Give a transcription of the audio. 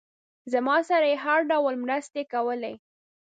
زما سره یې هر ډول مرستې کولې.